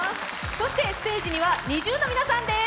そしてステージにはＮｉｚｉＵの皆さんです。